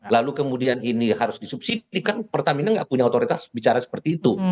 lalu kemudian ini harus disubsidi kan pertamina nggak punya otoritas bicara seperti itu